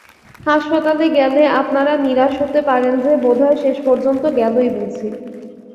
হাসপাতালে গেলে আপনারা নিরাশ হতে পারেন যে, বোধহয় শেষ পর্যন্ত গেলই বুঝি।